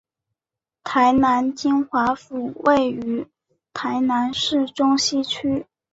台南金华府位于台南市中西区。